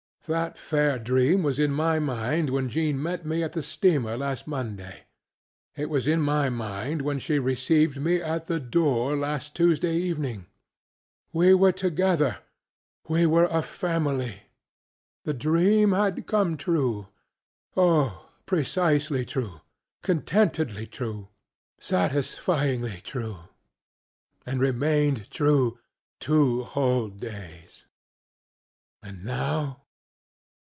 That fair dream was in my mind when Jean met me at the steamer last Monday; it was in my mind when she received me at the door last Tuesday evening. We were together; WE WERE A FAMILY! the dream had come trueŌĆöoh, precisely true, contentedly, true, satisfyingly true! and remained true two whole days. And now?